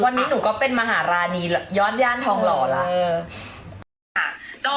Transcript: วันนี้หนูก็เป็นมหารานีย้อนย่านทองหล่อแล้ว